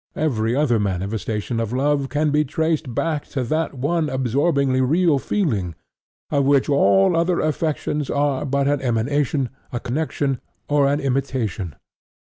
Every other manifestation of love can be traced back to that one absorbingly real feeling, of which all other affections are but an emanation, a connection, or an imitation.